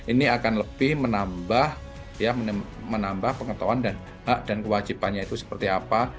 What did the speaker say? ini akan lebih menambah ya menambah pengetahuan dan hak dan kewajibannya itu seperti apa